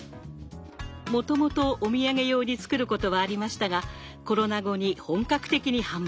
もともとお土産用に作ることはありましたがコロナ後に本格的に販売。